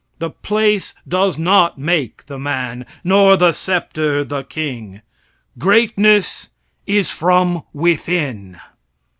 The place does not make the man, nor the sceptre the king. Greatness is from within.